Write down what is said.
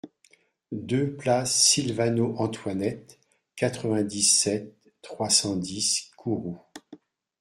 deux place Sylvano Antoinette, quatre-vingt-dix-sept, trois cent dix, Kourou